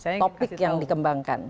topik yang dikembangkan